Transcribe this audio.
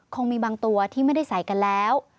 คงมีบางตัวที่ไม่ได้ใส่กันแล้ว